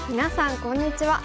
こんにちは。